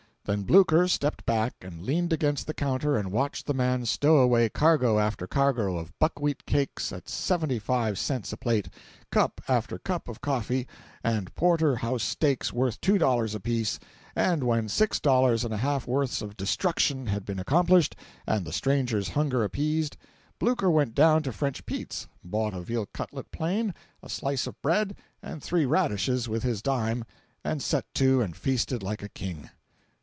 Then Blucher stepped back and leaned against the counter and watched the man stow away cargo after cargo of buckwheat cakes at seventy five cents a plate; cup after cup of coffee, and porter house steaks worth two dollars apiece; and when six dollars and a half's worth of destruction had been accomplished, and the stranger's hunger appeased, Blucher went down to French Pete's, bought a veal cutlet plain, a slice of bread, and three radishes, with his dime, and set to and feasted like a king!